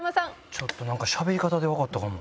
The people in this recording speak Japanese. ちょっとなんかしゃべり方でわかったかも。